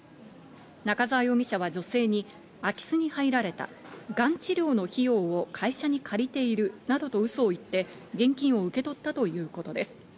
仲沢容疑者は女性に空き巣に入られた、がん治療の費用を会社に借りているなどとウソを言って、現金を受け取ったということです。